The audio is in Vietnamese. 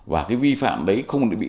và cái vi phạm đấy không được bị